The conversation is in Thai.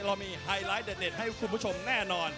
เรามีไฮไลท์เด็ดให้คุณผู้ชมแน่นอน